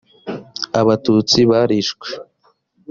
abatutsi barishwe.